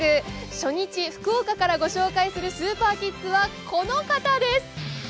初日、福岡からご紹介するスーパーキッズはこの方です。